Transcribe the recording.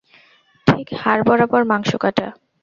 ঠিক হাড় বরাবর মাংস কাটা।